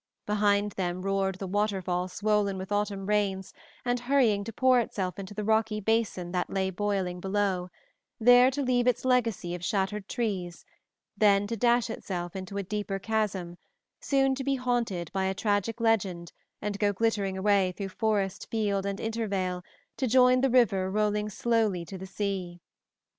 Behind them roared the waterfall swollen with autumn rains and hurrying to pour itself into the rocky basin that lay boiling below, there to leave its legacy of shattered trees, then to dash itself into a deeper chasm, soon to be haunted by a tragic legend and go glittering away through forest, field, and intervale to join the river rolling slowly to the sea.